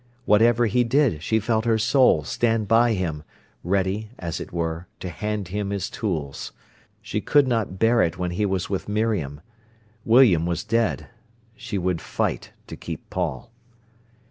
Whatever he did she felt her soul stood by him, ready, as it were, to hand him his tools. She could not bear it when he was with Miriam. William was dead. She would fight to keep Paul.